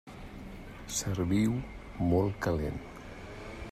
Serviu-ho molt calent.